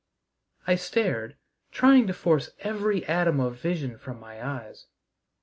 I stared, trying to force every atom of vision from my eyes.